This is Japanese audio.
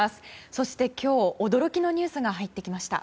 そして今日、驚きのニュースが入ってきました。